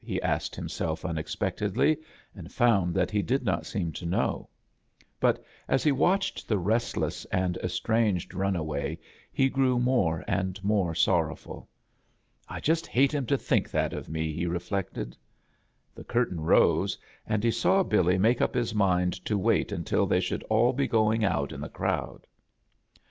he asked himself, unexpectedly, and found that he did not seem to know; but as he watched the restless and estranged run away he grew more and more sorrowful. "I just bate him to think that of me," he reflected. The curtain rose, and he saw BiUy make up his mind to wait until they should all he goii^ out in the crowd.